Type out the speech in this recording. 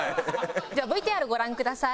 ではＶＴＲご覧ください。